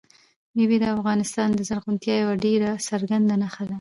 مېوې د افغانستان د زرغونتیا یوه ډېره څرګنده نښه ده.